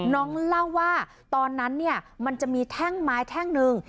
น้องเล่าว่าตอนนั้นเนี่ยมันจะมีแท่งไม้แท่งหนึ่ง